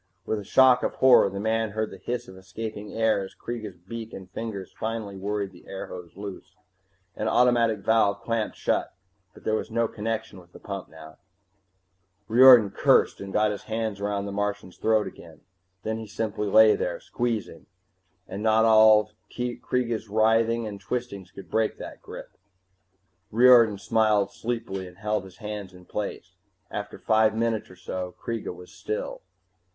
With a shock of horror, the man heard the hiss of escaping air as Kreega's beak and fingers finally worried the airhose loose. An automatic valve clamped shut, but there was no connection with the pump now Riordan cursed, and got his hands about the Martian's throat again. Then he simply lay there, squeezing, and not all Kreega's writhing and twistings could break that grip. Riordan smiled sleepily and held his hands in place. After five minutes or so Kreega was still.